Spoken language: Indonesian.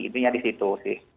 itunya di situ sih